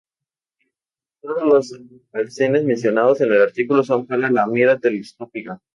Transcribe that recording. Todos los alcances mencionados en el artículo son para la mira telescópica.